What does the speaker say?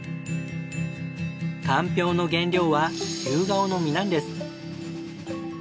かんぴょうの原料はユウガオの実なんです。